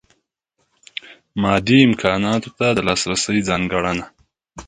مادي امکاناتو ته د لاسرسۍ ځانګړنه.